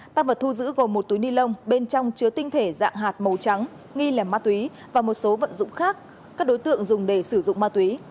tăng vật thu giữ gồm một túi ni lông bên trong chứa tinh thể dạng hạt màu trắng nghi lẻ ma túy và một số vận dụng khác các đối tượng dùng để sử dụng ma túy